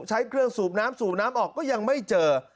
ใช้เครื่องสูบน้ำสูบน้ำออกก็ยังไม่เจอ